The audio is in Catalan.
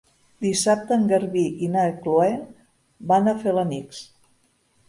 Dissabte en Garbí i na Chloé van a Felanitx.